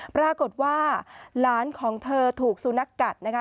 ปรากฏว่าหลานของเธอถูกสุนัขกัดนะคะ